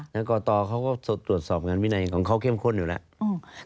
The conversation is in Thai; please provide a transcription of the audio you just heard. แล้วกรตเขาก็ตรวจสอบงานวินัยของเขาเข้มข้นอยู่แล้ว